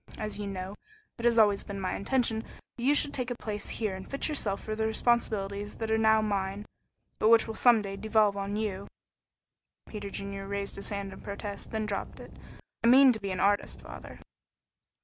As you know, it has always been my intention that you should take a place here and fit yourself for the responsibilities that are now mine, but which will some day devolve on you." Peter Junior raised his hand in protest, then dropped it. "I mean to be an artist, father."